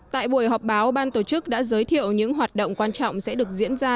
tại buổi họp báo ban tổ chức đã giới thiệu những hoạt động quan trọng sẽ được diễn ra